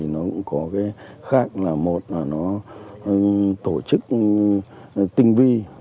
nó cũng có cái khác là một là nó tổ chức tinh vi